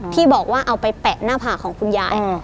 ที่บอกว่าเอาไปแปะหน้าผากของคุณยาย